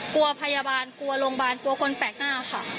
กลัวพยาบาลกลัวโรงพยาบาลกลัวคนแปลกหน้าค่ะ